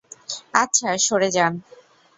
আচ্ছা, সরে যান!